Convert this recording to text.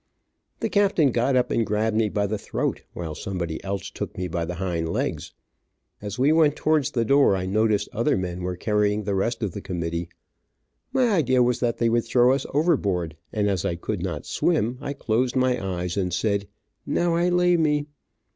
The captain got up and grabbed me by the throat, while somebody else took me by the hind legs. As we went towards the door, I noticed other men were carrying the rest of the committee. My idea was that they would throw us overboard, and as I could not swim, I closed my eyes and said, "Now I lay me."